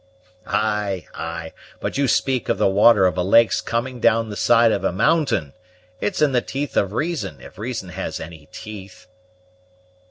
"Ay, ay, but you speak of the water of a lake's coming down the side of a mountain; it's in the teeth of reason, if reason has any teeth."